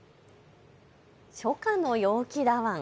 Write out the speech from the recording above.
初夏の陽気だワン。